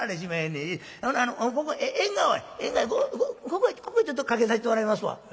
ここここへちょっと掛けさしてもらいますわ」。